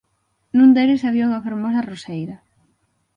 Nun deles había unha fermosa roseira.